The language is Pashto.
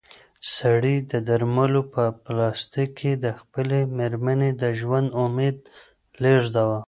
سړي د درملو په پلاستیک کې د خپلې مېرمنې د ژوند امید لېږداوه.